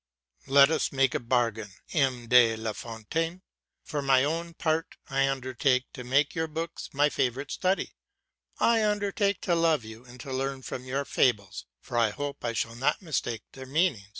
Let us make a bargain, M. de la Fontaine. For my own part, I undertake to make your books my favourite study; I undertake to love you, and to learn from your fables, for I hope I shall not mistake their meaning.